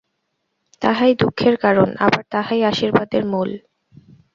তাহাই দুঃখের কারণ, আবার তাহাই আশীর্বাদের মূল।